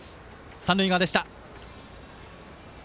三塁側でした。